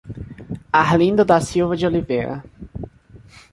Arlindo da Silva de Oliveira